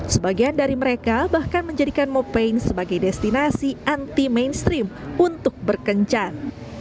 sebagian dari mereka bahkan menjadikan mopaint sebagai destinasi anti mainstream untuk berkencan